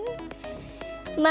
nah makan ini sangat sedap